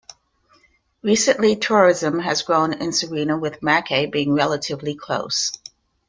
Recently tourism has grown in Sarina with Mackay being relatively close.